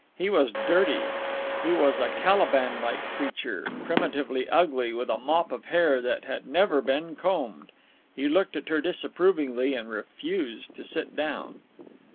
He was dirty. He was a Caliban like creature, primitively ugly, with a mop of hair that had never been combed. He looked at her disapprovingly and refused to sit down.